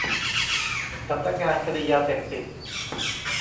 สำนักงานคดียาเสพติด